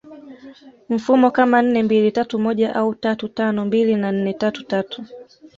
mfumo kama nne mbili tatu moja au tatu tano mbili na nne tatu tatu